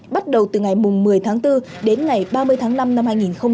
bắt đầu từ ngày một mươi tháng bốn đến ngày ba mươi tháng năm năm hai nghìn hai mươi bốn